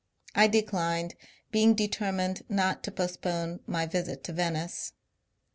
I declined — being de termined not to postpone my visit to Venice. .